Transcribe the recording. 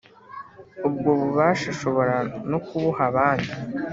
ubwo bubasha ashobora no kubuha abandi